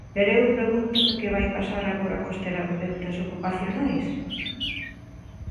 Pero eu pregúntome que vai pasar agora cos terapeutas ocupacionais.